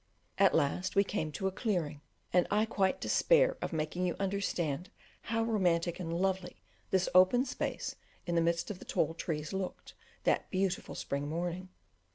At last we came to a clearing, and I quite despair of making you understand how romantic and lovely this open space in the midst of the tall trees looked that beautiful spring morning.